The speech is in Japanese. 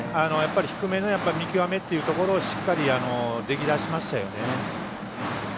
低めの見極めというところをしっかり、できだしましたよね。